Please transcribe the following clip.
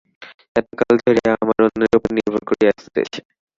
এতকাল ধরিয়া আমরা অন্যের উপর নির্ভর করিয়া আসিতেছি।